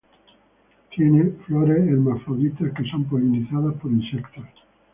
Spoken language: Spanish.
Tiene flores hermafroditas que son polinizadas por insectos.